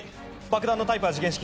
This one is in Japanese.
爆弾のタイプは時限式。